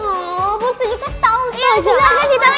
awww ustazah kasih tau ya